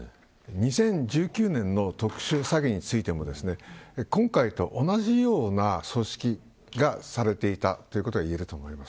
２０１９年の特殊詐欺についても今回と同じような組織がされていたと言えると思います。